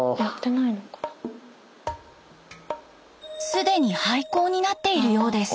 すでに廃校になっているようです。